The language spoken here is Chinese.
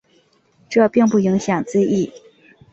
这并不影响字义。